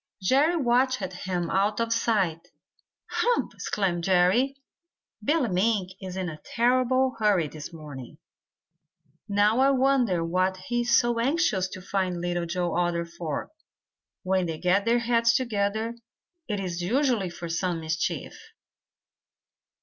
Jerry watched him out of sight. "Hump!" exclaimed Jerry. "Billy Mink is in a terrible hurry this morning. Now I wonder what he is so anxious to find Little Joe Otter for. When they get their heads together, it is usually for some mischief."